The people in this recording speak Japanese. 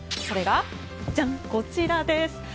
それが、こちらです。